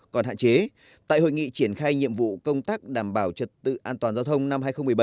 còn hạn chế tại hội nghị triển khai nhiệm vụ công tác đảm bảo trật tự an toàn giao thông năm hai nghìn một mươi bảy